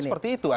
kan seperti itu